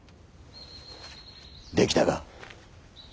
できたか？